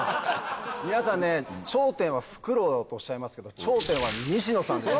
皆さんね頂点はフクロウだとおっしゃいますけど頂点は西野さんです！